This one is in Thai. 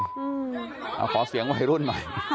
เอาขอเสียงวัยรุ่นใหม่